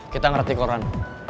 kita ngerti koran